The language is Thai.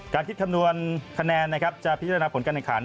การคิดคำนวณคะแนนนะครับจะพิจารณาผลการแข่งขัน